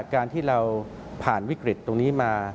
การที่เราผ่านวิกฤตตรงนี้มา